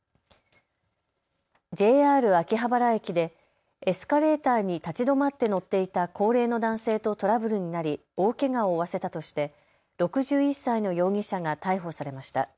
ＪＲ秋葉原駅でエスカレーターに立ち止まって乗っていた高齢の男性とトラブルになり大けがを負わせたとして６１歳の容疑者が逮捕されました。